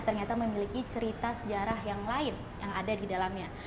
ternyata memiliki cerita sejarah yang lain yang ada di dalamnya